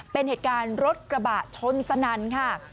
เป็นเหตุการณ์รถกระบะชนสนั่นค่ะ